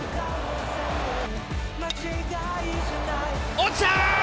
落ちた！